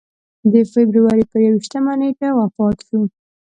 د فبروري پر یوویشتمه نېټه وفات شو.